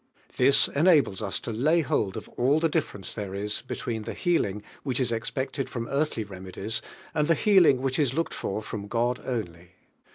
This enaSiles us to lay hold of all the difference there is between {• healing which is expected from earthly remedies and the healing which is looked for from God only.